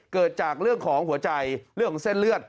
เกิดจากเรื่องของหัวใจเรื่องของเส้นเลือด